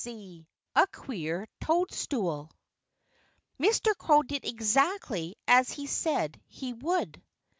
X A QUEER TOADSTOOL Mr. Crow did exactly as he said he would.